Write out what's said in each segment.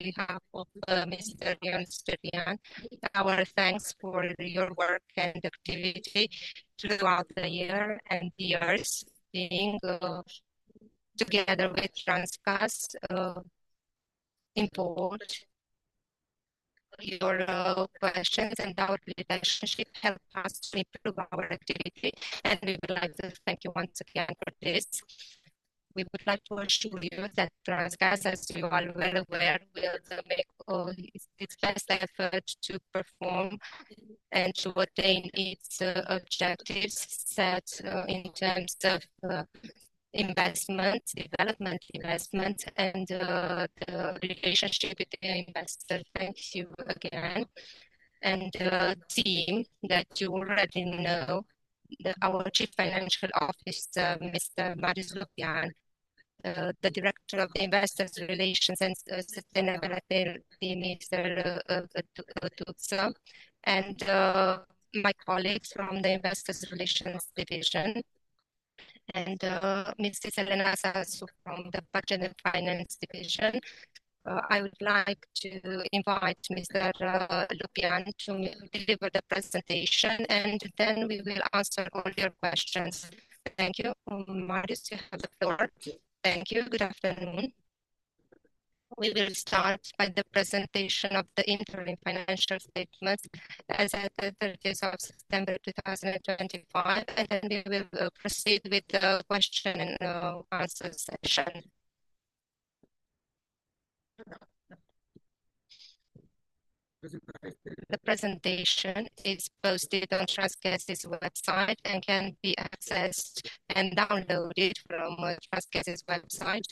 Behalf of Mr. Ion Sterian, Our thanks for your. Work and activity throughout the year and years being together with Transgaz. Important, your. Questions and our relationship help us to improve our activity and we would like to thank you, want to conclude this. I. We would like to assure you that Transgaz, as you are well aware, will make all its best efforts to perform and to attain its objectives set in terms of investment, development, investment and the relationship with the investor. Thank you again and team that you already know our Chief Financial Officer, Mr. Marius Lupean, the Director of Investor Relations and Sustainability, Mr. Cătălin Tuță, and my colleagues from the Investor Relations Division and Ms. Elena Sasu from the Budget and Finance Division. I would like to invite Mr. Lupean to deliver the presentation and then we will answer all your questions. Thank you. Marius, you have the floor. Thank you. Good afternoon. We will start by the presentation of the interim financial statements as at 30 September 2025 and then we will proceed with the question and answer session. The presentation is posted on Transgaz's website and can be accessed and downloaded from Transgaz's website.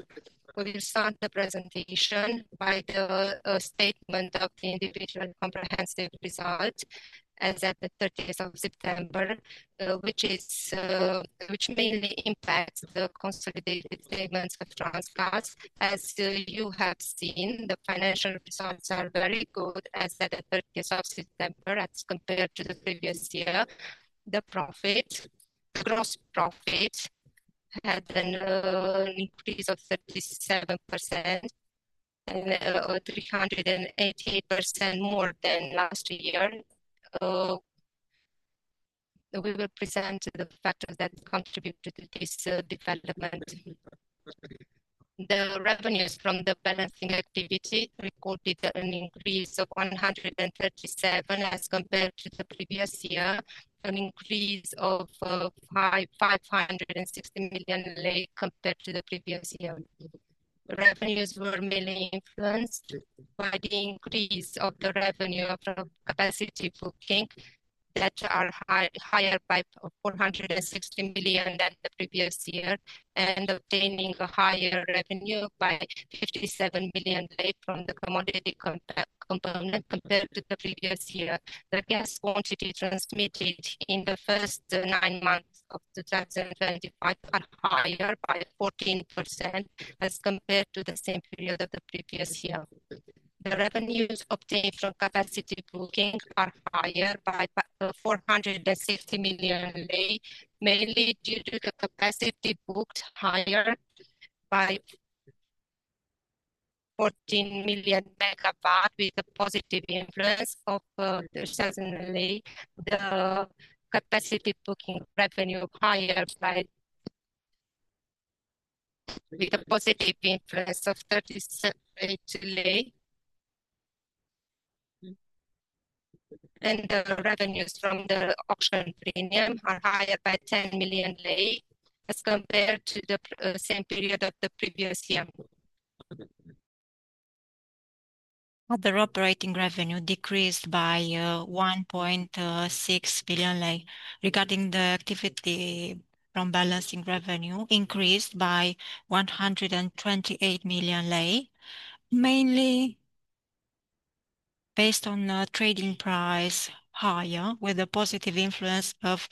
We will start the presentation by the statement of the individual comprehensive result as at 30 September, which mainly impacts the consolidated payments of Transgaz. As you have seen, the financial results are very good as December, as compared to the previous year, the gross profit had an increase of 37% and 388% more than last year. We will present the factors that contributed to this development. The revenues from the balancing activity recorded an increase of 137 as compared to the previous year. An increase of RON 560 million compared to the previous year. Revenues were mainly influenced by the increase of the revenue of capacity booking that are higher by RON 460 million than the previous year and obtaining a higher revenue by RON 57 million from the commodity component compared to the previous year. The gas quantity transmitted in the first nine months of 2025 are higher by 14% as compared to the same period of the previous year. The revenues obtained from capacity booking are higher by RON 460 million mainly due to. The capacity booked higher by 14 million. Megawatt with a positive influence. The. Capacity booking revenue higher, with a positive influence of RON 37. The revenues from the auction premium are higher by RON 10 million as compared to the same period of the previous year. Other operating revenue decreased by RON 1.6 billion. Regarding the activity from balancing, revenue increased by RON 128 million mainly based on trading price, higher, with a positive influence of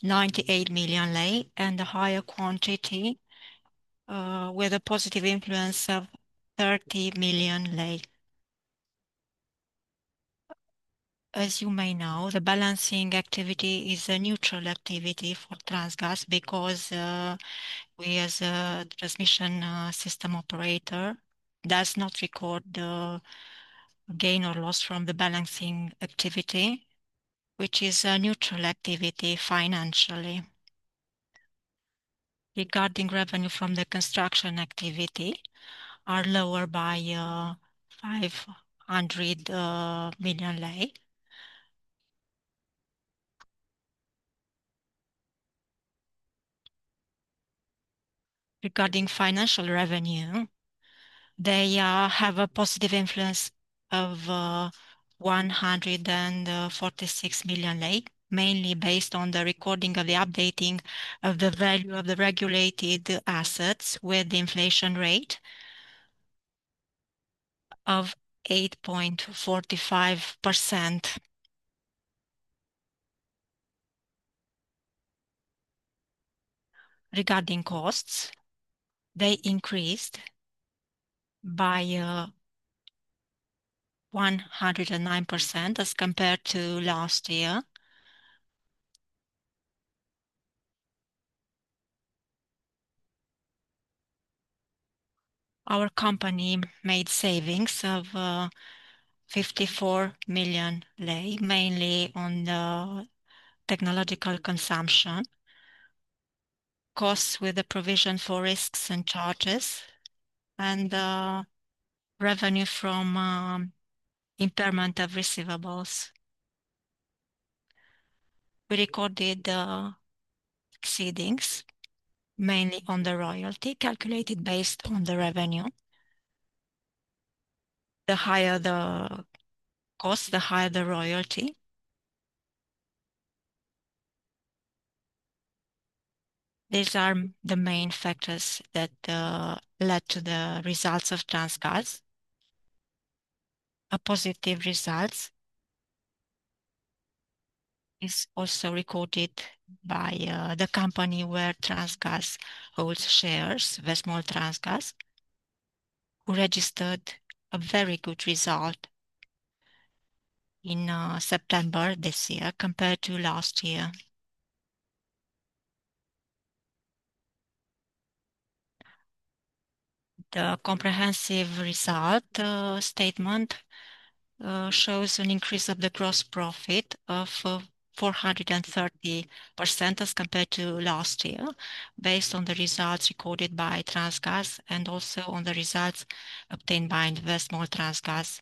RON 98 million and the higher quantity with a positive influence of RON 30 million. As you may know, the balancing activity is a neutral activity for Transgaz because we as a transmission system operator does not record the gain or loss from the balancing activity, which is a neutral activity financially. Regarding revenue from the construction activity are lower by RON 500 million. Regarding financial revenue, they have a positive influence of RON 146 million mainly based on the recording of the updating of the value of the regulated assets with the inflation rate of 8.45%. Regarding costs, they increased by 109% as compared to last year. Our company made savings of RON 54 million mainly on the technological consumption costs with the provision for risks and charges and revenue from impairment of receivables. We recorded exceedings mainly on the royalty calculated based on the revenue. The higher the cost, the higher the royalty. These are the main factors that led to the results of Transgaz. A positive result is also recorded by the company where Transgaz holds shares. Vestmoldtransgaz who registered a very good result in September this year compared to last year. The comprehensive result statement shows an increase of the gross profit of 430% as compared to last year. Based on the results recorded by Transgaz and also on the results obtained by Vestmoldtransgaz.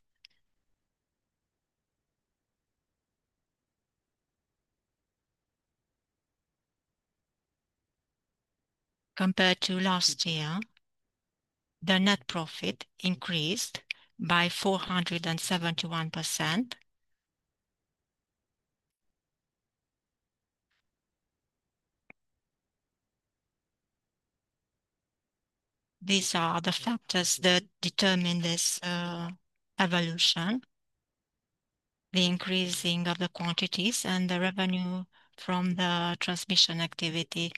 Compared to last year, the net profit increased by 471%. These are the factors that determine this evolution. The increasing of the quantities and the revenue from the transmission activity.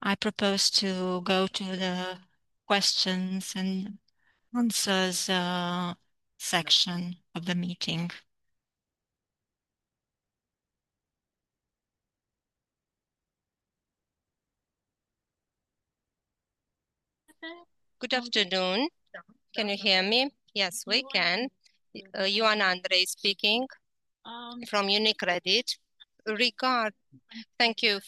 I propose to go to the questions and answers section of the meeting. Good afternoon. Can you hear me? Yes, we can. Ioana Andrei speaking from UniCredit. Regards. Thank you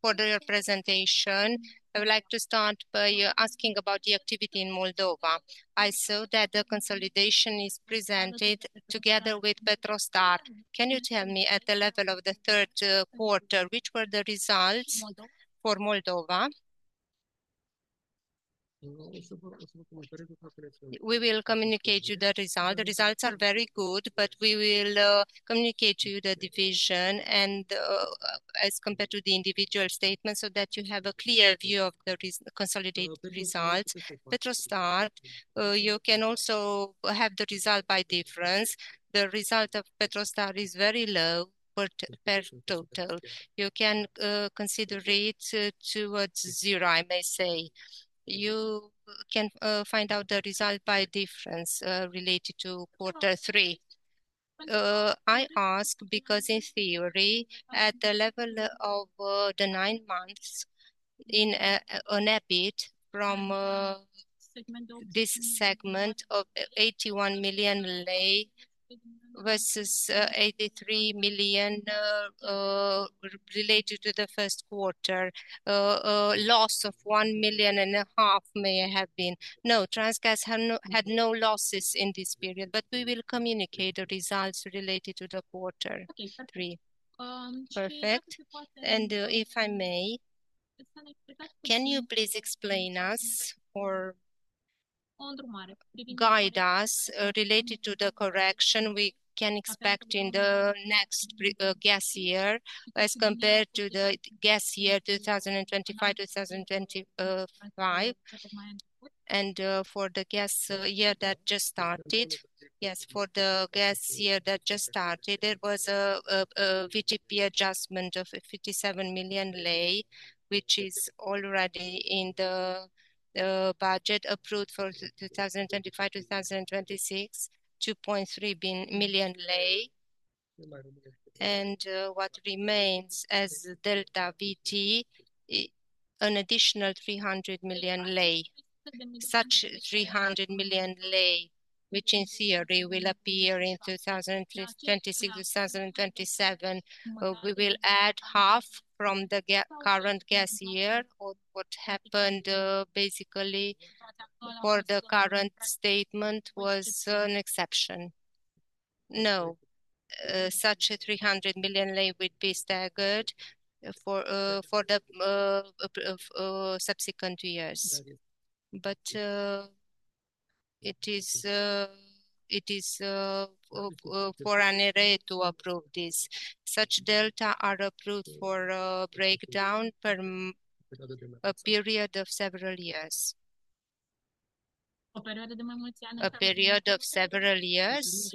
for your presentation. I would like to start by asking about the activity in Moldova. I saw that the consolidation is presented together with Eurotransgaz. Can you tell me at the level of the third quarter which were the results for Moldova? We will communicate you the result. The results are very good, but we will communicate to you the division and as compared to the individual statement, so that you have a clear view of the consolidated results. Eurotransgaz, you can also have the result by difference. The result of Eurotransgaz is very low per total. You can consider it towards zero. I may say you can find out the result by difference related to quarter three. I ask because in theory, at the level of the nine months in on a bit from this segment of RON 81 million versus RON 83 million related to the first quarter loss of RON 1.5 million may have been no, Transgaz had no losses in this period. We will communicate the results related to the quarter three. Perfect. If I may, can you please explain us or guide us related to the correction we can expect in the next gas year as compared to the gas year 2025, 2025 and for the gas year that just started. Yes, for the gas year that just started, there was a VTP adjustment of RON 57 million which is already in the budget approved for 2025-2026, RON 2.3 million. What remains as Delta VT, an additional RON 300 million. Such RON 300 million, which in theory will appear in 2026, 2027, we will add half from the current gas year. What happened basically for the current statement was an exception. No, such RON 300 million would be staggered for the subsequent years. It is for ANRE to approve this. Such delta are approved for breakdown over a period of several years. A period of several years.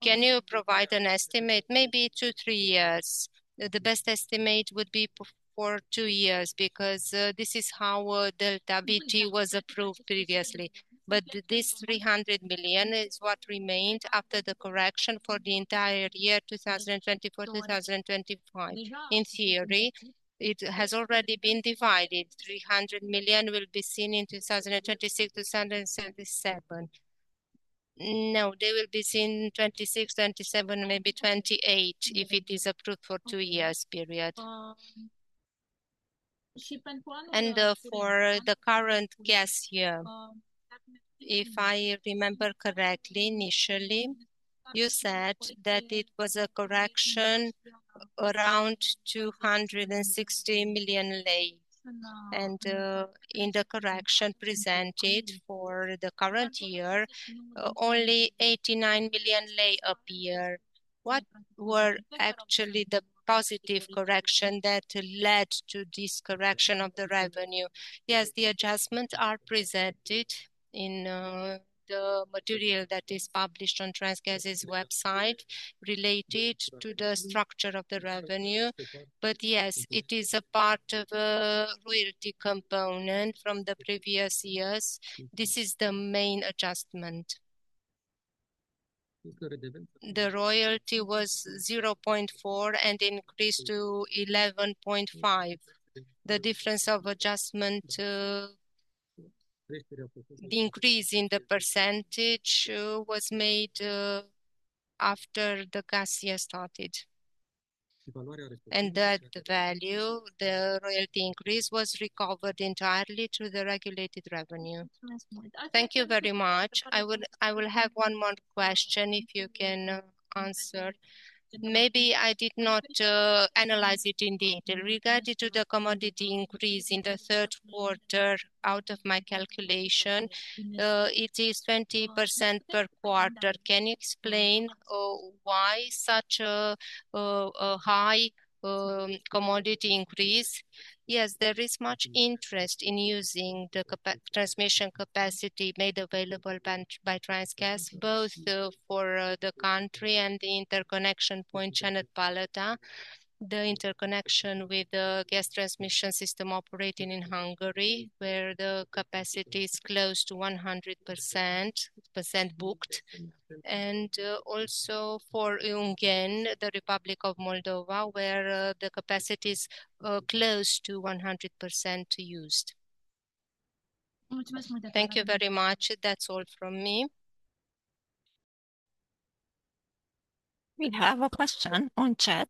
Can you provide an estimate? Maybe two, three years. The best estimate would be for two years because this is how Delta VT was approved previously. This RON 300 million is what remained after the correction for the entire year 2024, 2025. In theory, it has already been divided. RON 300 million will be seen in 2026, 2027. No, they will be seen 2026-2027, maybe 2028 if it is approved for a two-year period. For the current gas year, if I remember correctly, initially you said that it was a correction around RON 260 million. In the correction presented for the current year, only RON 89 million appeared. What were actually the positive corrections that led to this correction of the revenue? Yes, the adjustments are presented in the material that is published on Transgaz website related to the structure of the revenue. Yes, it is a part of a royalty component from the previous years. This is the main adjustment. The royalty was 0.4% and increased to 11.5%. The difference of adjustment, the increase in the percentage, was made after the Gas Year started. That value, the royalty increase, was recovered entirely through the regulated revenue. Thank you very much. I will have one more question if you can answer. Maybe I did not analyze it in detail regarding the commodity increase in the third quarter. Out of my calculation it is 20% per quarter. Can you explain why such a high commodity increase? Yes, there is much interest in using the transmission capacity made available by Transgaz both for the country and interconnection point Csanádpalota. The interconnection with the gas transmission system operating in Hungary, where the capacity is close to 100% booked, and also for the Republic of Moldova, where the capacity is close to 100% used. Thank you very much. That's all from me. We have a question on chat.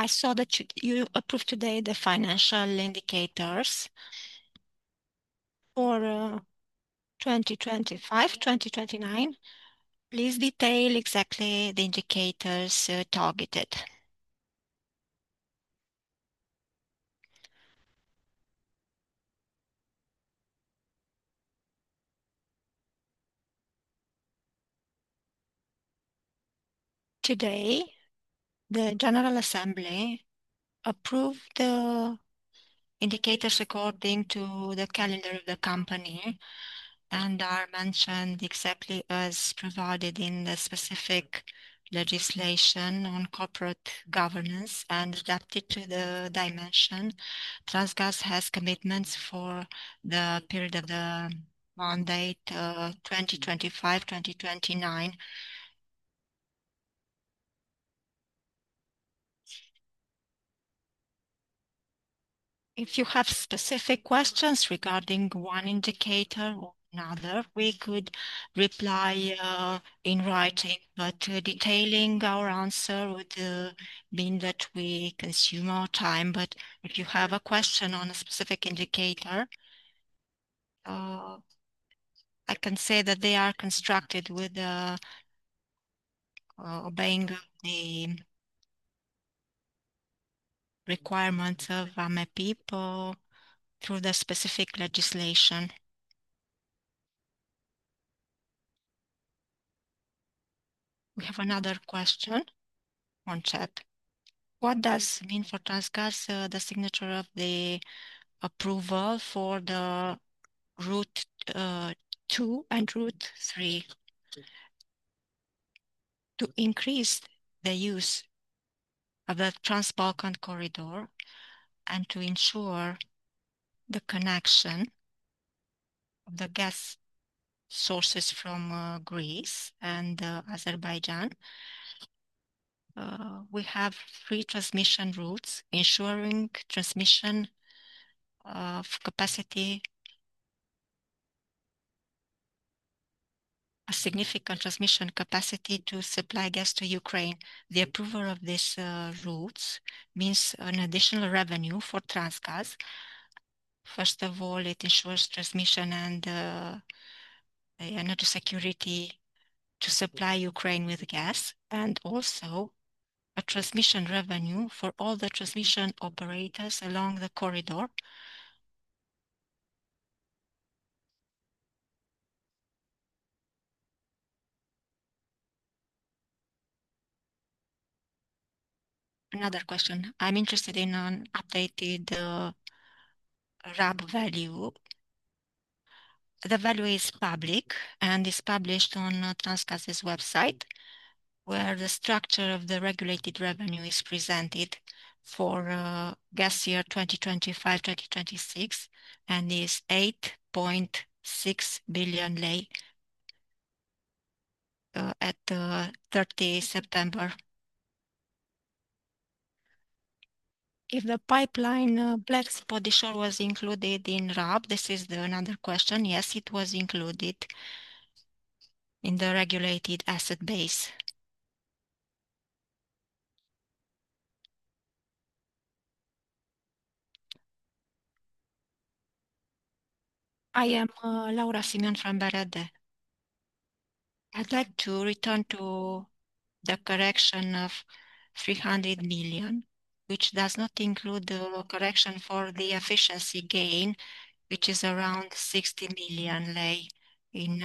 I saw that you approved today the financial indicators for 2025-2029. Please detail exactly the indicators. Today the General Assembly approved the indicators according to the calendar of the company and are mentioned exactly as provided in the specific legislation on corporate governance and adapted to the dimension. Transgaz has commitments for the period of the mandate 2025-2029. If you have specific questions regarding one indicator or another, we could reply in writing. Detailing our answer would mean that we consume our time. If you have a question on a specific indicator, I can say that they are constructed with obeying the requirements of ANRE people through the specific legislation. We have another question on chat. What does mean for Transgaz? The signature of the approval for the Route 2 and Route 3 to increase the use of the Trans-Balkan Corridor and to ensure the connection of the gas sources from Greece and Azerbaijan. We. Have three transmission routes ensuring transmission of capacity, a significant transmission capacity to supply gas to Ukraine. The approval of these routes means an additional revenue for Transgaz. First of all, it ensures transmission and energy security to supply Ukraine with gas and also a transmission revenue for all the transmission operators along the corridor. Another question, I'm interested in an updated RAB value. The value is public and is published on Transgaz website where the structure of the regulated revenue is presented for gas year 2025-2026 and is RON 8.6 billion at 30 September. If the pipeline Black Sea Shore was included in RAB, this is another question. Yes, it was included in the regulated asset base. I am Laura Simion from BRD. I'd like to return to the correction of RON 300 million which does not include the correction for the efficiency gain which is around RON 60 million in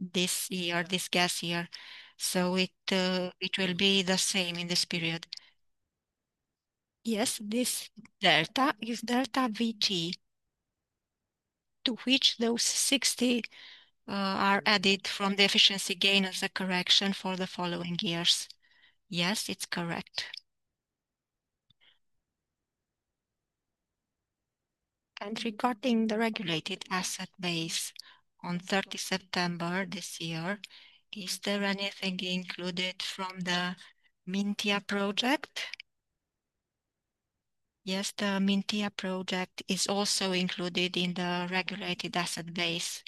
this year, this gas year. It will be the same in this period. Yes, this Delta is Delta VT to which those RON 60 million are added from the efficiency gain of the correction for the following years. Yes, it's correct. Regarding the regulated asset base on 30 September this year, is there anything included from the Mintia project? Yes, the Mintia project is also included in the regulated asset base.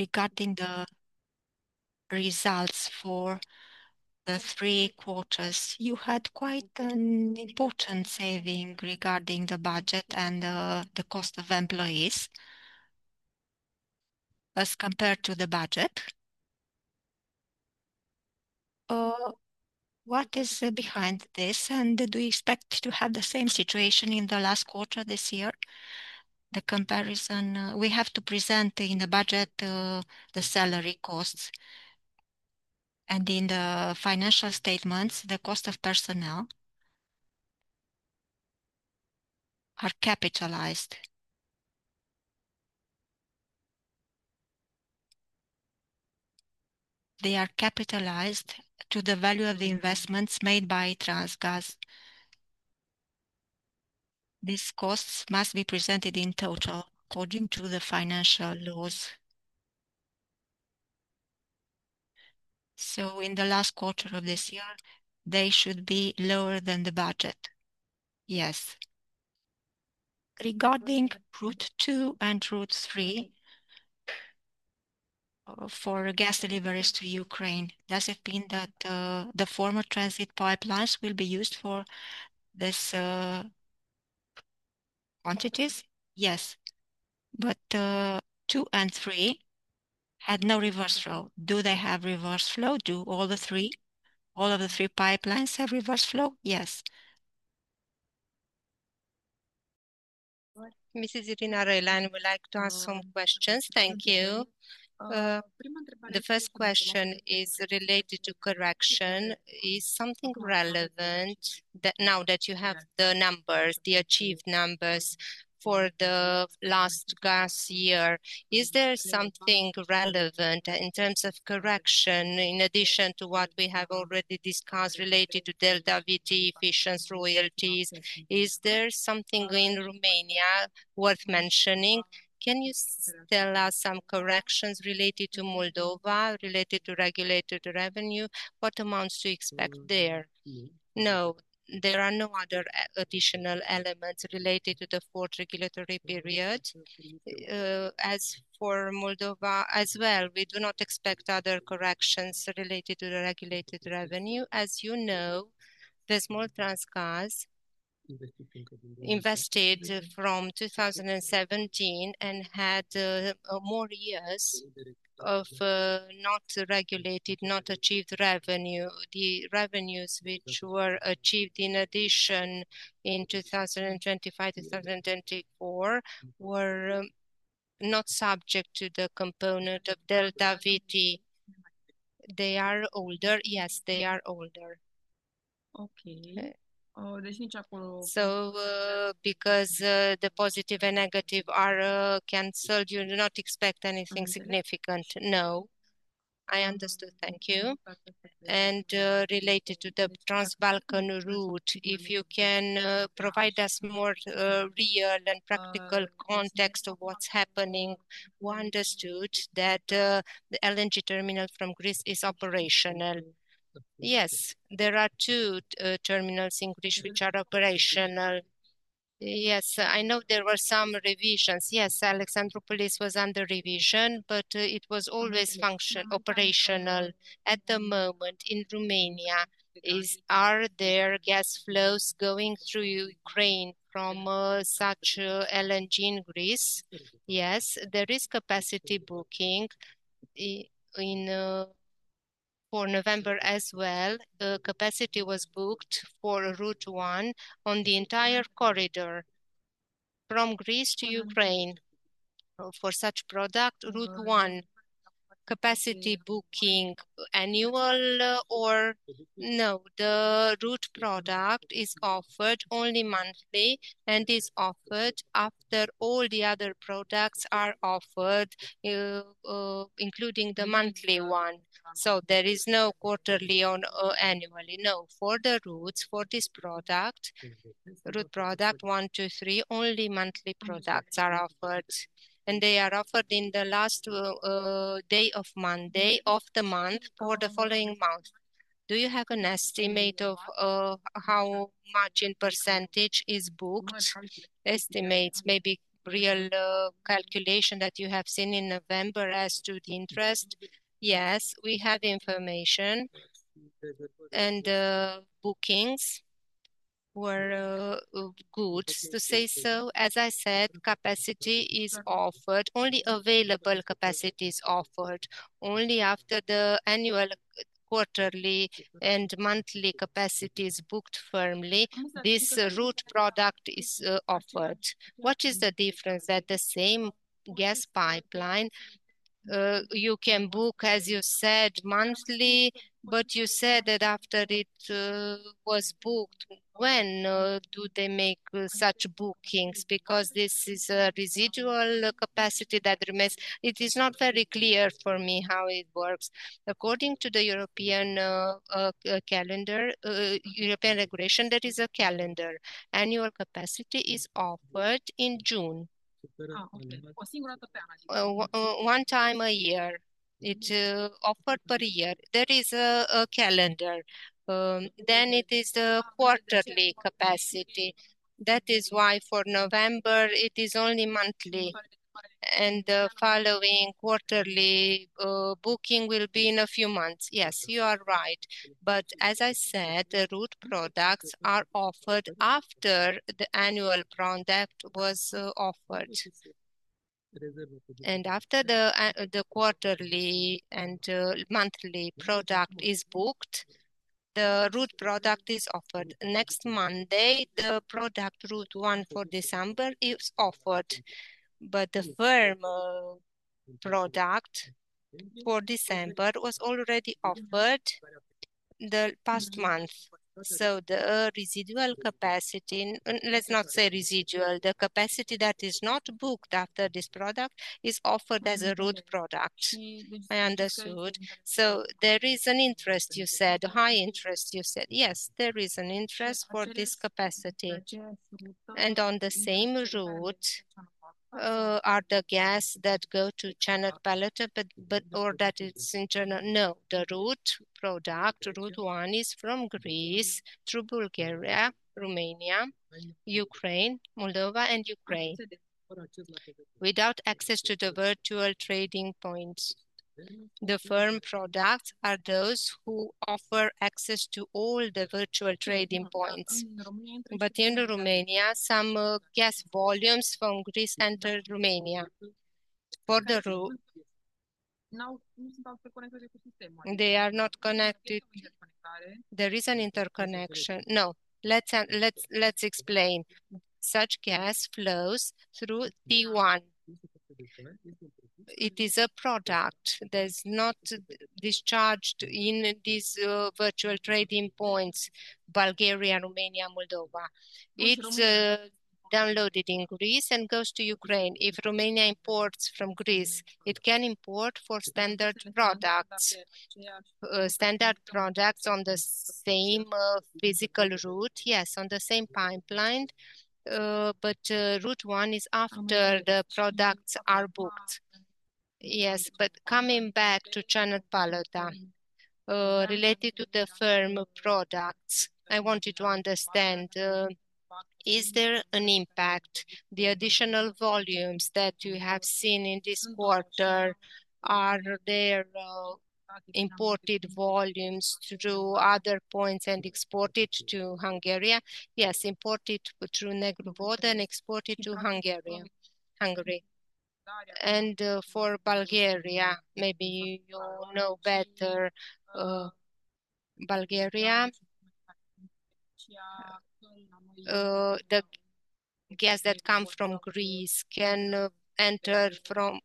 Regarding the results for the three quarters, you had quite an important saving regarding the budget and the cost of employees as compared to the budget. What is behind this and do you expect to have the same situation in the last quarter this year? The comparison we have to present in the budget, the salary costs and in the financial statements the cost of personnel are capitalized. They are capitalized to the value of the investments made by Transgaz. These costs must be presented in total according to the financial laws. In the last quarter of this year they should be lower than the budget. Yes. Regarding Route 2 and Route 3 for gas deliveries to Ukraine, does it mean that the former transit pipelines will be used for this quantities? Yes, but 2 and 3 had no reverse flow. Do they have reverse flow? Do all the three. All of the three pipelines have reverse flow? Yes. Ms. Irina Railean and I would like to ask some questions. Thank you. The first question is related to correction. Is something relevant that now that you have the numbers, the achieved numbers for the last gas year, is there something relevant in terms of correction? In addition to what we have already discussed related to Delta VT efficiency, royalties, is there something in Romania worth mentioning? Can you tell us some corrections related to Moldova, related to regulated revenue? What amounts to expect there? No, there are no other additional elements related to the fourth regulatory period. As for Moldova as well, we do not expect other corrections related to the regulated revenue. As you know, Vestmoldtransgaz invested from 2017 and had more years of not regulated, not achieved revenue. The revenues which were achieved in addition in 2025, 2024 were not subject to the component of Delta VT. They are older. Yes, they are older. Okay, because the positive and negative are cancelled, you do not expect anything significant? No, I understood. Thank you. Related to the Trans-Balkan route, if you can provide us more real and practical context of what is happening. Who understood that the LNG terminal from Greece is operational? Yes, there are two terminals in Greece which are operational. Yes, I know there were some revisions. Yes, Alexandroupolis was under revision, but it was always functional, operational at the moment in Romania. Are there gas flows going through Ukraine from such LNG in Greece? Yes, there is capacity booking for November as well. The capacity was booked for Route 1 on the entire corridor from Greece to Ukraine for such product. Route 1, capacity booking annual or no. The route product is offered only monthly and is offered after all the other products are offered, including the monthly one. There is no quarterly or annually? No. For the routes for this product, route product 1, 2, 3, only monthly products are offered and they are offered in the last day of Monday of the month for the following month. Do you have an estimate of how margin % is booked? Estimates, maybe real calculation that you have seen in November? As to the interest? Yes, we have information and bookings were good to say so. As I said, capacity is offered only available. Capacity is offered only after the annual, quarterly and monthly capacities booked firmly. This route product is offered. What is the difference? That the same gas pipeline you can book, as you said, monthly. But you said that after it was booked. When do they make such bookings? Because this is a residual capacity that remains. It is not very clear for me how it works. According to the European calendar. European regression. That is a calendar. Annual capacity is offered in June, one time a year it offered per year. There is a calendar. Then it is the quarterly capacity. That is why for November it is only monthly. The following quarterly booking will be in a few months. Yes, you are right. As I said, the route products are offered after the annual product was offered. After the quarterly and monthly product is booked, the route product is offered next Monday. The product route one for December is offered. The firm product for December was already offered the past month. The residual capacity. Let's not say residual. The capacity that is not booked after this product is offered as a route product. I understood. There is an interest, you said. High interest, you said. Yes, there is an interest for this capacity. On the same route are the gas that go to Csanádpalota. Or that it's internal? No, the route product, route one, is from Greece, through Bulgaria, Romania, Moldova, and Ukraine. Without access to the virtual trading points. The firm products are those who offer access to all the virtual trading points. In Romania, some gas volumes from Greece enter Romania for the route. They are not connected. There is an interconnection. No, let's explain. Such gas flows through T1. It is a product that's not discharged in these virtual trading points. Bulgaria, Romania, Moldova. It's downloaded in Greece and goes to Ukraine. If Romania imports from Greece, it can import for standard products. Standard products on the same physical route? Yes, on the same pipeline. Route 1 is after the products are booked. Yes, but coming back to Csanádpalota related to the firm products. I want you to understand. Is there an impact, the additional volumes that you have seen in this quarter? Are there imported volumes through other points and exported to Hungary? Yes, imported through Negru Vodă and exported to Hungary. For Bulgaria, maybe you know better. Bulgaria, the gas that comes from Greece can enter from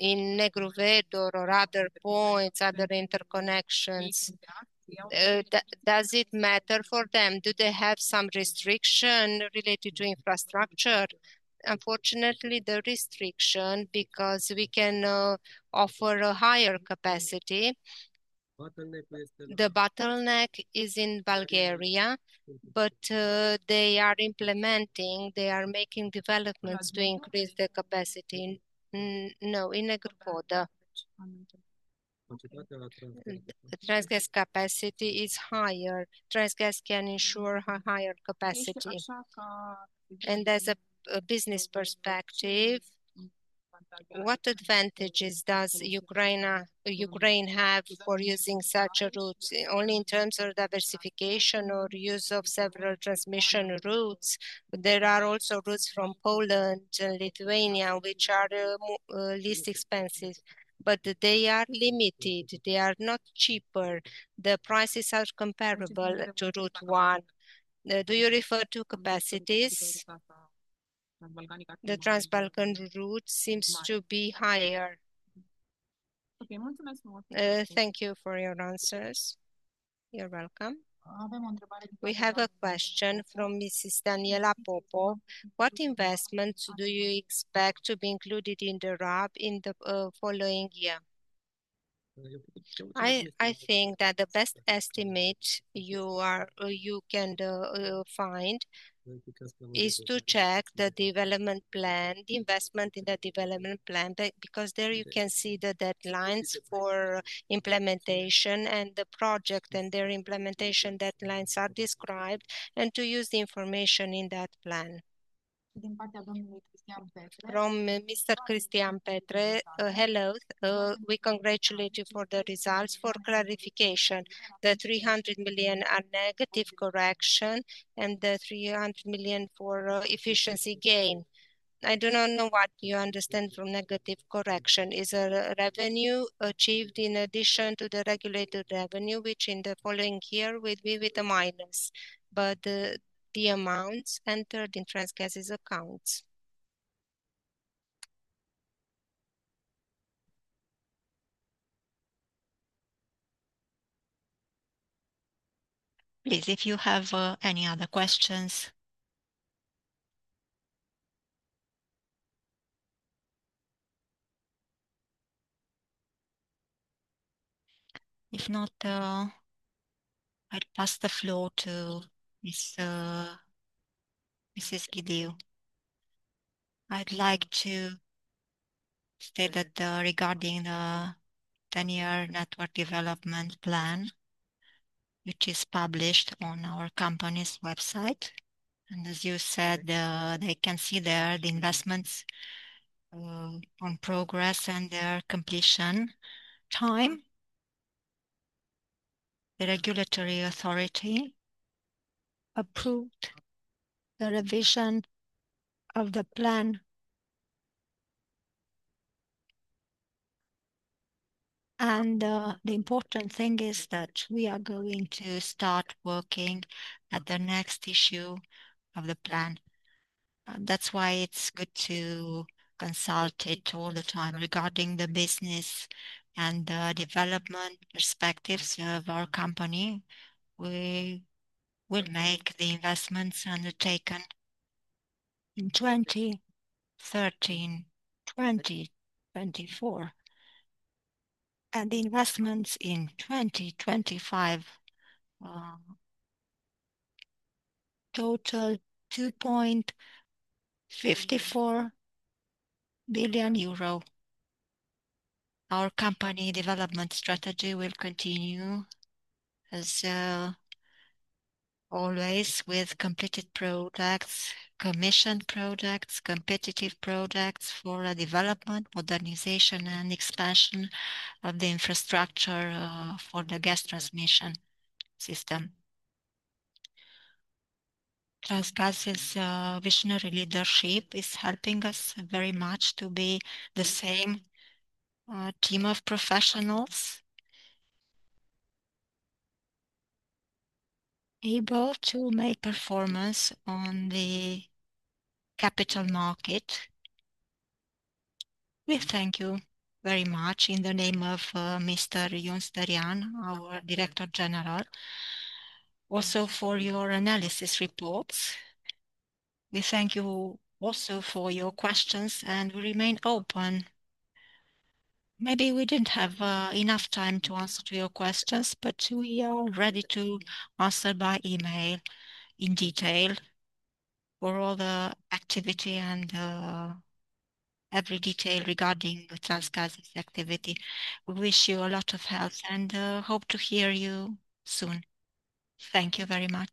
Negru Vodă or other points, other interconnections. Does it matter for them? Do they have some restriction related to infrastructure? Unfortunately, the restriction is because we can offer a higher capacity. The bottleneck is in Bulgaria, but they are implementing. They are making developments to increase the capacity. No, in Negru Vodă the Transgaz capacity is higher. Transgaz can ensure a higher capacity. As a business perspective, what advantages does Ukraine have for using such a route? Only in terms of diversification or use of several transmission routes. There are also routes from Poland, Lithuania which are least expensive, but they are limited, they are not cheaper. The prices are comparable to Route 1. Do you refer to capacities? The Trans-Balkan route seems to be higher. Thank you for your answers. You're welcome. We have a question from Mrs. Daniela Popov. What investments do you expect to be included in the RAB in the following year? I think that the best estimate you can find is to check the development plan, the investment in the development plan. Because there you can see the deadlines for implementation and the project and their implementation deadlines are described. To use the information in that plan from Mr. Cristian Petre. Hello. We congratulate you for the results. For clarification, the 300 million are negative correction and the 300 million for efficiency gain. I do not know what you understand from negative correction is a revenue achieved in addition to the regulated revenue, which in the following year will be with a minus. The amounts entered in Transgaz's accounts. Please, if you have any other questions. If not, I'll pass the floor to Mrs. Ghidiu. I'd like to state that regarding the Ten-Year Network Development Plan, which is published on our company's website and as you said, they can see there the investments on progress and their completion time. The regulatory authority approved the revision of the plan. The important thing is that we are going to start working at the next issue of the plan. That's why it's good to consult it all the time. Regarding the business and development perspectives of our company. We will make the investments undertaken in 2013, 2024 and investments in 2025 total EUR 2.54 billion. Our company development strategy will continue as always with completed products, commissioned products, competitive products for development, modernization and expansion of the infrastructure for the gas transmission system Transgaz. Visionary leadership is helping us very much to be the same team of professionals, able to make performance on the capital market. We thank you very much in the name of Mr. Ion Sterian, our Director General, also for your analysis reports. We thank you also for your questions and we remain open. Maybe we did not have enough time to answer to your questions, but we are ready to answer by email in detail for all the activity and every detail regarding Transgaz activity. We wish you a lot of health and hope to hear you soon. Thank you very much.